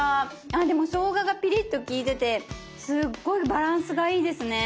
でもしょうががピリッと利いててすっごいバランスがいいですね。